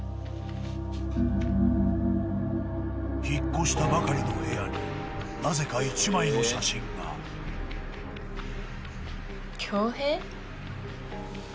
引っ越したばかりの部屋になぜか１枚の写真が恭平？